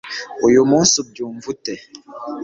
uyu munsi ubyumva ute